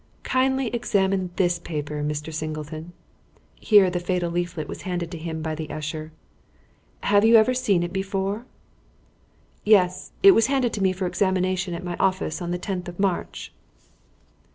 "Kindly examine this paper, Mr. Singleton" (here the fatal leaflet was handed to him by the usher); "have you ever seen it before?" "Yes. It was handed to me for examination at my office on the tenth of March."